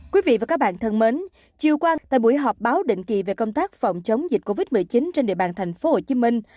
quý vị và các bạn thân mến chiều qua tại buổi họp báo định kỳ về công tác phòng chống dịch covid một mươi chín trên địa bàn thành phố hồ chí minh